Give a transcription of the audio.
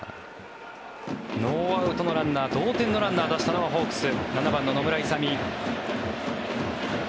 ノーアウトのランナー同点のランナーを出したのはホークス７番の野村勇。